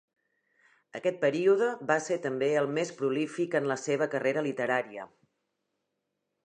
Aquest període va ser també el més prolífic en la seva carrera literària.